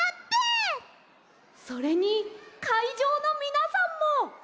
それにかいじょうのみなさんも！